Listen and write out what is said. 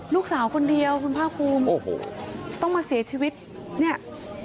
ลูกสาวคนเดียวคุณภาคภูมิโอ้โหต้องมาเสียชีวิตเนี่ย